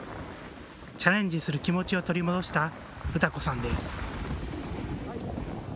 チャレンジする気持ちを取り戻した詩子さんです。